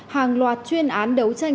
hàng loạt chuyên án đấu tranh